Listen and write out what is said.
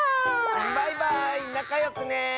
バイバーイなかよくね。